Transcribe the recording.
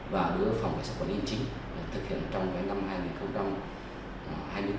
và đối với phòng quản lý chính thực hiện trong năm hai nghìn hai mươi bốn